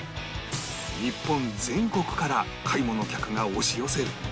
日本全国から買い物客が押し寄せる